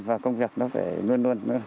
và công việc nó phải luôn luôn